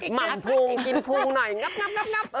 หมาพุงกินพุงหน่อยงับ